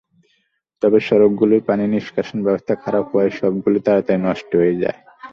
তবে সড়কগুলোর পানি নিষ্কাশনব্যবস্থা খারাপ হওয়ায় সড়কগুলো তাড়াতাড়ি নষ্ট হয়ে যায়।